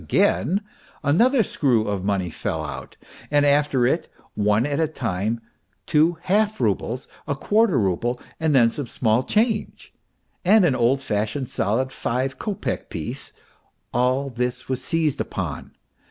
" again, another screw of money fell out, and after it, one at a time, two half roubles, a quarter rouble, then some small change, and an old fashioned, solid five kopeck piece all this was seized upon.